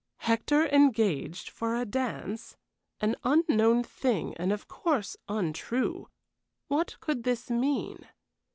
Hector engaged for a dance? An unknown thing, and of course untrue. What could this mean?